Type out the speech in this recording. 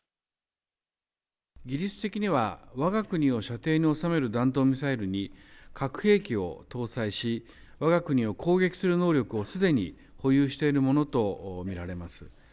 技術的にはわが国を射程に収める弾道ミサイルに、核兵器を搭載し、わが国を攻撃する能力をすでに保有しているものと見られます。